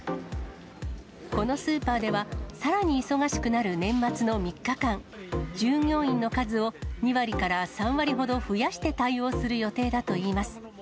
このスーパーでは、さらに忙しくなる年末の３日間、従業員の数を２割から３割ほど増やして対応する予定だといいます。